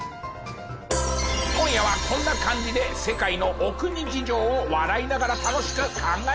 今夜はこんな感じで世界のお国事情を笑いながら楽しく考えちゃいましょう。